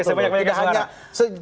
oke sebanyak banyaknya suara